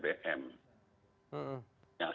mereka sudah menangkap bbm